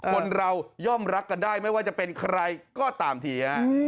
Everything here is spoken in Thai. คนเราย่อมรักกันได้ไม่ว่าจะเป็นใครก็ตามทีฮะ